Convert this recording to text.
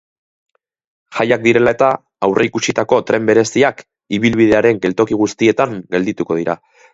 Jaiak direla-eta aurreikusitako tren bereziak ibilbidearen geltoki guztietan geldituko dira.